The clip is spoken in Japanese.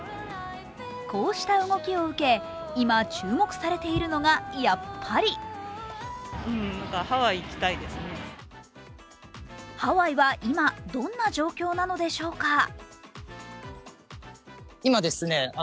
こうした動きを受け、今、注目されているのがやっぱりハワイは今、どんな状況なのでしょうか。